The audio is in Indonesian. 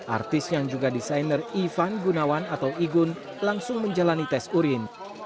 artis yang juga desainer ivan gunawan atau igun langsung menjalani tes urin